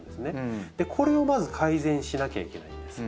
これをまず改善しなきゃいけないんです。